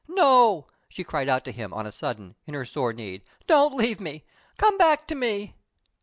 "No!" she cried out to him, on a sudden, in her sore need, "don't leave me! Come back to me!"